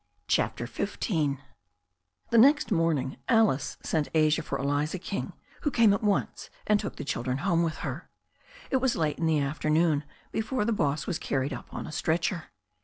CHAPTER XV THE next morning Alice sent Asia for Eliza King who came at once and took the children home with her. It was late in the afternoon before the boss was carried up on a stretcher.